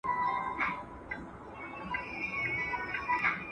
ټکنالوژي د حکومتدارۍ بهير شفافوي.